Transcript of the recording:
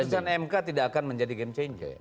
putusan mk tidak akan menjadi game changer